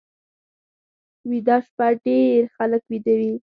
ویده شپه ډېر خلک ویده وي